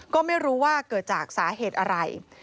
ก็ไม่รู้ว่าเกิดจากสาเหตุอะไร